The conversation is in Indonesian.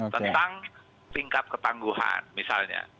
tentang tingkat ketangguhan misalnya